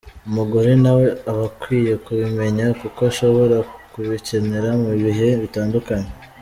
Umugore nawe aba akwiye kubimenya kuko ashobora kubikenera mu bihe bitandukanye.